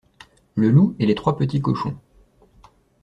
Le loup et les trois petits cochons.